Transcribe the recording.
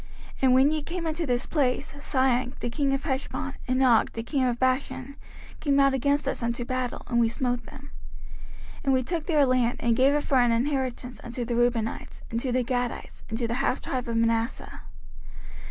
05:029:007 And when ye came unto this place, Sihon the king of Heshbon, and Og the king of Bashan, came out against us unto battle, and we smote them: 05:029:008 And we took their land, and gave it for an inheritance unto the Reubenites, and to the Gadites, and to the half tribe of Manasseh.